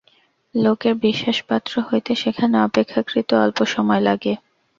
লোকের বিশ্বাসপাত্র হইতে সেখানে অপেক্ষাকৃত অল্প সময় লাগে।